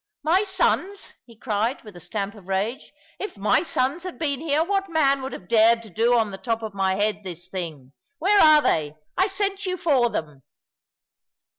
"My sons!" he cried, with a stamp of rage; "if my sons had been here, what man would have dared to do on the top of my head this thing? Where are they? I sent you for them."